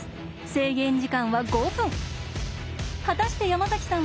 制限時間は５分。